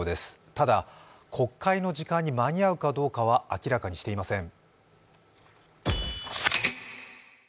ただ国会の時間に間に合うかどうかは明らかにしていません。